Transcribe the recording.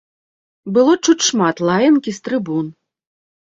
Было чуць шмат лаянкі з трыбун.